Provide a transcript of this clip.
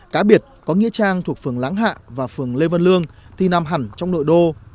cá biệt có nghĩa trang thuộc phường láng hạ và phường lê văn lương thì nằm hẳn trong nội đô